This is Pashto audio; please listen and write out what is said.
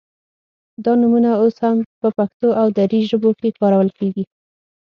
دا نومونه اوس هم په پښتو او دري ژبو کې کارول کیږي